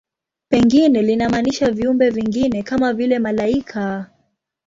Pengine linamaanisha viumbe vingine, kama vile malaika.